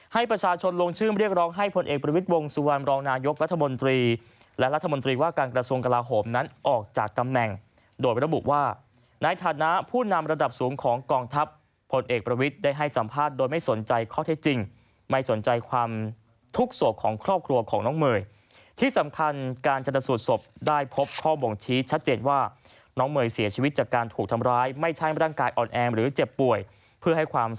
ให้ประชาชนลงชื่อเรียกร้องให้ผลเอกประวิทธิ์วงศ์สุวรรณรองนายกรัฐมนตรีและรัฐมนตรีว่าการกระทรวงกระลาโหมนั้นออกจากกำแหน่งโดยไประบุว่านายฐานะผู้นำระดับสูงของกองทัพผลเอกประวิทธิ์ได้ให้สัมภาษณ์โดยไม่สนใจข้อเท็จจริงไม่สนใจความทุกข์ส่วนของครอบครัวของน้องเมื่